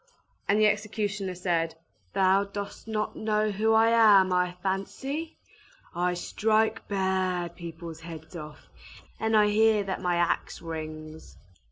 And the executioner said, "Thou dost not know who I am, I fancy? I strike bad people's heads off; and I hear that my axe rings!"